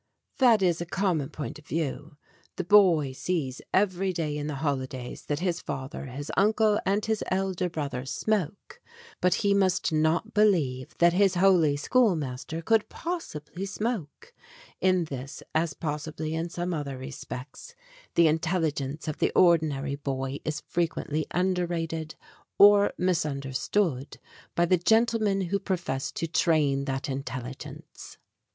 That is a common point of view; the boy sees every day in the holidays that his father, his uncle, and his elder brothers smoke, but he must not believe that his holy schoolmaster could possibly smoke. In this, as possibly in some other respects, the intelligence of the 6 STORIES WITHOUT TEARS ordinary boy is frequently underrated or misunder stood by the gentlemen who profess to train that intelligence.